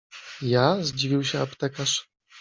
— Ja? — zdziwił się aptekarz.